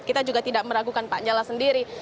kita juga tidak meragukan pak nyala sendiri